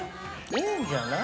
◆いいんじゃない？